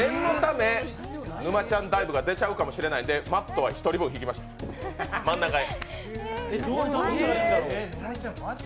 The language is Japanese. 念のため、沼ちゃんダイブが出ちゃうかもしないので、マットは１人分敷きます、真ん中に。